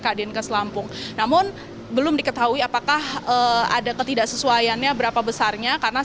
kadin kes lampung namun belum diketahui apakah ada ketidaksesuaiannya berapa besarnya karena